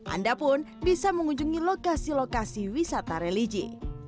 anda pun bisa mengunjungi lokasi lokasi wisata religi